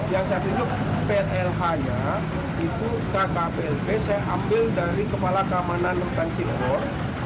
yang saya tunjuk plh nya itu kkplb saya ambil dari kepala kamanan rutan cirebon